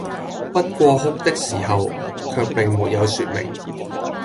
不過哭的時候，卻並沒有説明，